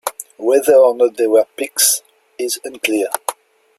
Whether or not they were Picts is unclear.